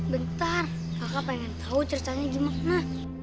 bentar kakak pengen tahu ceritanya gimana